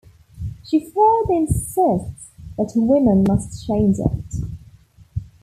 She further insists that women must change it.